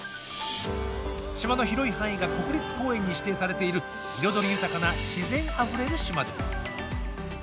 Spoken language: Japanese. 島の広い範囲が国立公園に指定されている彩り豊かな自然あふれる島です。